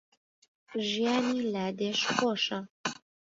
ژیانی لادێش خۆشە